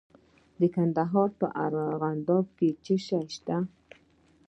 د کندهار په ارغنداب کې څه شی شته؟